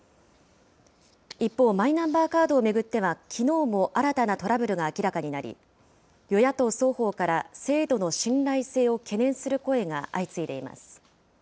一方、マイナンバーカードを巡っては、きのうも新たなトラブルが明らかになり、与野党双方から制度の信頼性を懸念する声が相次いでいます。